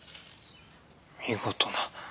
見事な。